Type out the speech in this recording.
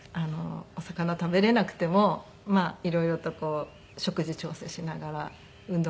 お魚食べれなくても色々とこう食事調整しながら運動もしながら。